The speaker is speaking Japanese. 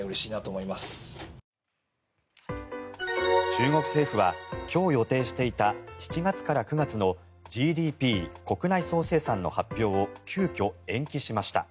中国政府は今日予定していた７月から９月のＧＤＰ・国内総生産の発表を急きょ延期しました。